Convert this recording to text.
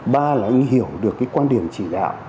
ba là anh hiểu được cái quan điểm chỉ đạo